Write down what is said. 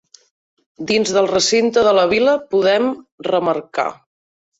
Dins del recinte de la Vila podem remarcar.